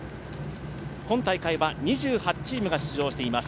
今大会は２８チームが出場しています。